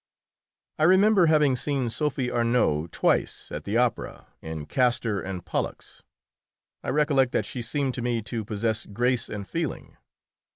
I remember having seen Sophie Arnould twice at the opera, in "Castor and Pollux." I recollect that she seemed to me to possess grace and feeling.